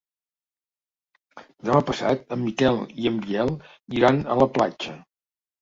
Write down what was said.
Demà passat en Miquel i en Biel iran a la platja.